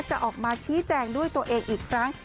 จะออกมาชี้แจงด้วยตัวเองอีกครั้ง